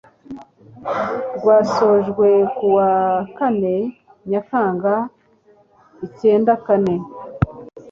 rwasojwe ku wa kane Nyakanga icyenda kane